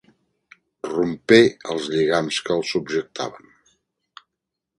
Rompé els lligams que el subjectaven.